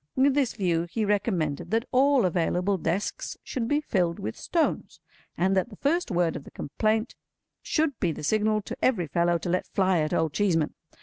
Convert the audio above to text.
With this view he recommended that all available desks should be filled with stones, and that the first word of the complaint should be the signal to every fellow to let fly at Old Cheeseman.